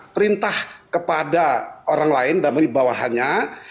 perintah kepada orang lain dan di bawahnya